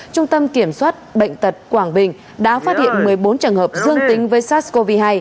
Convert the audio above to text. trung tâm kiểm soát bệnh tật quảng bình đã phát hiện một mươi bốn trường hợp dương tính với sars cov hai